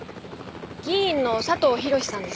議員の佐藤寛さんです。